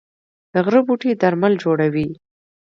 د غره بوټي درمل جوړوي